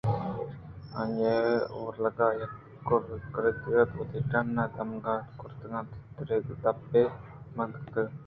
آئیءَ اولگا یک کِرّکُتءُوت ڈن ءِ دمک ءَدراتک ءُ در ءِدپے بند کُت